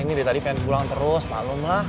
ini dia tadi pengen pulang terus malem lah